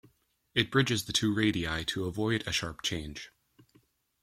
It bridges the two radii to avoid a sharp change.